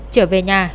trở về nhà